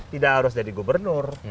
tidak harus jadi gubernur